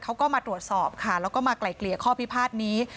เขาก็มาตรวจสอบค่ะแล้วก็มาไกลเกลี่ยข้อพิพาทนี้